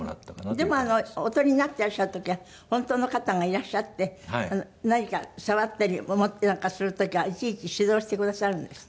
でもお撮りになっていらっしゃる時は本当の方がいらっしゃって何か触ったり持ったりなんかする時はいちいち指導してくださるんですって？